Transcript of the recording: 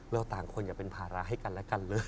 ต่างคนอย่าเป็นภาระให้กันและกันเลย